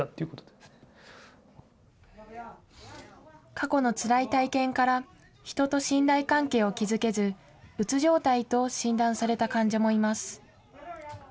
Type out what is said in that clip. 過去のつらい体験から、人と信頼関係を築けず、うつ状態と診断された患者もいます。